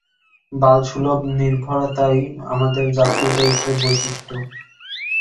বালসুলভ নির্ভরতাই আমাদের জাতীয় চরিত্রের বৈশিষ্ট্য।